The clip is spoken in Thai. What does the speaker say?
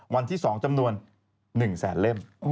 วันที่๒จำนวน๑แสนเล่ม